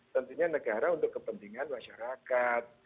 tentunya negara untuk kepentingan masyarakat